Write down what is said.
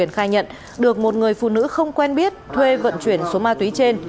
khai nhận được một người phụ nữ không quen biết thuê vận chuyển số ma túy trên